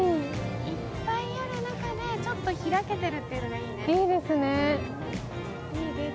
いっぱいある中でちょっと開けてるっていうのがいいね。